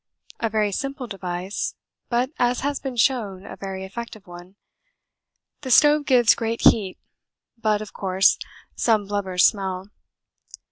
A very simple device, but as has been shown a very effective one; the stove gives great heat, but, of course, some blubber smell.